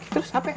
terus apa ya